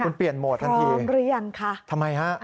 คุณเปลี่ยนโหมดทันทีหรือยังคะทำไมฮะ